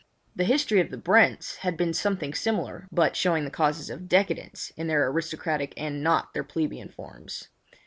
The history of the Brents had been something similar, but showing the causes of decadence in their aristocratic and not their plebeian forms.